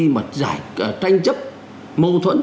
mà tranh chấp mâu thuẫn